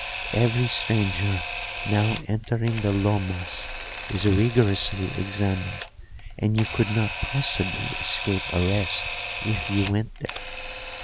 "Every stranger now entering the Lomas is rigorously examined, and you could not possibly escape arrest if you went there.